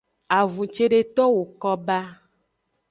Avun cedeto woko ba.